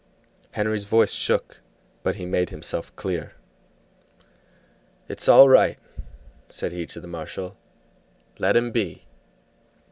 Henry's voice shook, but he made himself clear. "It's all right," said he to the marshal. "Let him be."